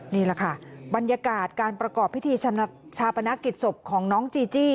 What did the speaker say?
นี่แหละค่ะบรรยากาศการประกอบพิธีชาปนกิจศพของน้องจีจี้